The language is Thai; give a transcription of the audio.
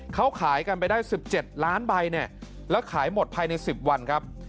เขาขายกันไปได้๑๗ล้านใบเนี่ยแล้วขายหมดภายใน๑๐วันครับ